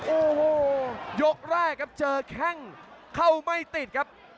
โอ้โหยกแรกครับเจอแข้งเข้าไม่ติดครับ